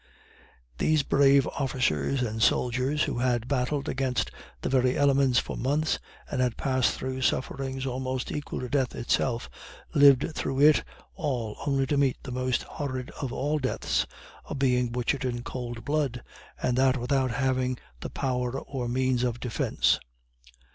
These brave officers and soldiers, who had battled against the very elements for months, and had passed through sufferings almost equal to death itself, lived through it all only to meet the most horrid of all deaths of being butchered in cold blood, and that without having the power or means of defence.